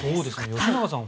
吉永さん